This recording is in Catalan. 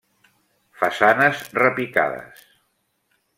Façanes repicades.